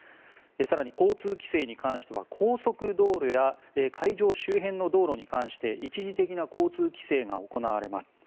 更に交通規制に関しては高速道路や会場周辺の道路に関して一時的な交通規制が行われます。